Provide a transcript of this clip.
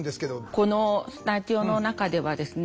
このスタジオの中ではですね